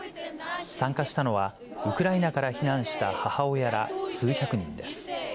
参加したのは、ウクライナから避難した母親ら数百人です。